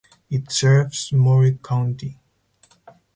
It serves Maury County.